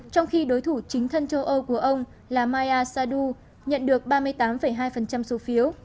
trong khi đối thủ chính thân châu âu của ông là maya sadu nhận được ba mươi tám hai số phiếu